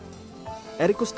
nah hasil publik itu